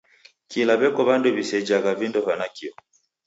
Kila w'eko w'andu w'isejagha vindo va nakio!